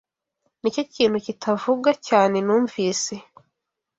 Nicyo kintu kitavuga cyane numvise.